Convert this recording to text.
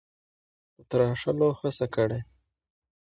د تراشلو هڅه کړې: